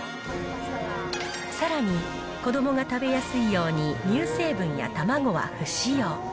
さらに、子どもが食べやすいように乳成分や卵は不使用。